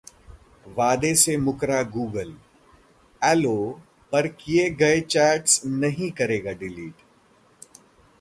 वादे से मुकरा गूगल, Allo पर किए गए आपके चैट्स नहीं करेगा डिलीट